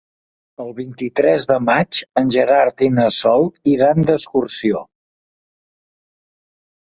El vint-i-tres de maig en Gerard i na Sol iran d'excursió.